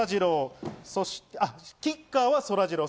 キッカーは、そらジロー。